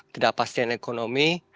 tidak pasien ekonomi